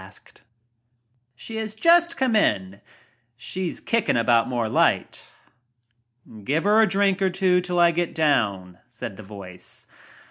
"She has just came. She's kicking about more light. Give her a drink or two till I get down," said the voice.